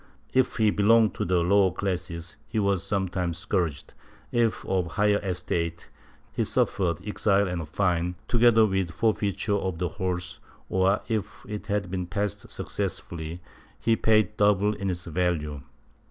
If he belonged to the lower classes, he w^as sometimes scourged; if of higher estate, he suffered exile and a fine, together with forfeiture of the horse or, if it had been passed successfully, he paid double its value.